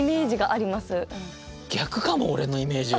逆かも俺のイメージは。